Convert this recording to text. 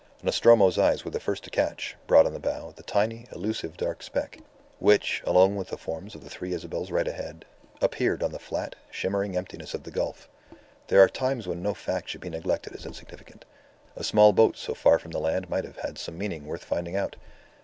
Nostromo's eyes were the first to catch, broad on the bow, the tiny, elusive dark speck, which, alone with the forms of the Three Isabels right ahead, appeared on the flat, shimmering emptiness of the gulf. There are times when no fact should be neglected as insignificant; a small boat so far from the land might have had some meaning worth finding out.